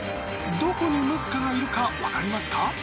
どこにムスカがいるか分かりますか？